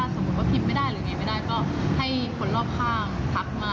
สมมุติว่าพิมพ์ไม่ได้หรือไงไม่ได้ก็ให้คนรอบข้างทักมา